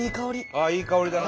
あっいい香りだな。